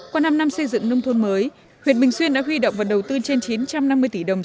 qua năm năm xây dựng nông thôn mới huyện bình xuyên đã huy động và đầu tư trên chín trăm năm mươi tỷ đồng